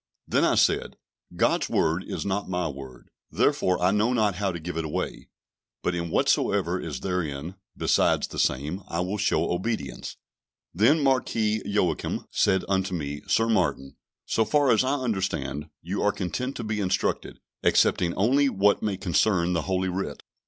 Then I said, "God's Word is not my word, therefore I know not how to give it away; but in whatsoever is therein, besides the same, I will show obedience." Then Marquis Joachim said unto me "Sir Martin, so far as I understand, you are content to be instructed, excepting only what may concern the Holy Writ."